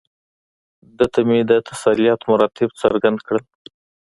ده ته مې د تسلیت مراتب څرګند کړل.